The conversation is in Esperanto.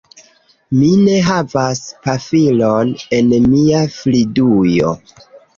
Mi ne havas pafilon en mia fridujo